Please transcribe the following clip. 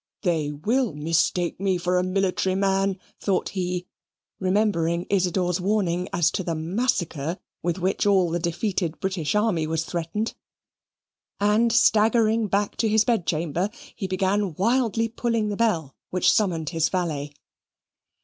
They WILL mistake me for a military man, thought he, remembering Isidor's warning as to the massacre with which all the defeated British army was threatened; and staggering back to his bedchamber, he began wildly pulling the bell which summoned his valet.